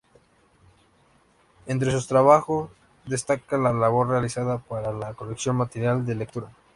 Entre sus trabajo destaca la labor realizada para la colección "Material de Lectura".